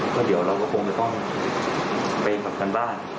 ก็เดี๋ยวเราก็คงไม่ต้องเป็นกับการบ้าน